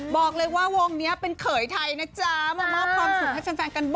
บอกเลยว่าวงนี้เป็นเขยไทยนะจ๊ะ